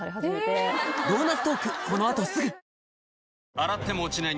洗っても落ちない